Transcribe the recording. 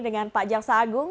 dengan pak jaksa agung